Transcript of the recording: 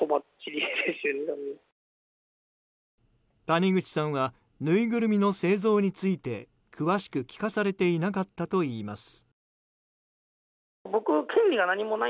谷口さんはぬいぐるみの製造について詳しく聞かされていなかったといいます。